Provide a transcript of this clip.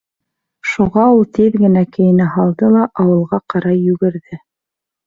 Шуға ул тиҙ генә кейенә һалды ла ауылға ҡарай йүгерҙе.